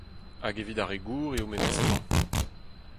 Hag evit ar re gozh eo memes tra.